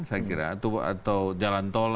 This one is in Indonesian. saya kira atau jalan tol